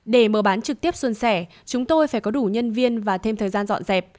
để mở bán trực tiếp xuân sẻ chúng tôi phải có đủ nhân viên và thêm thời gian dọn dẹp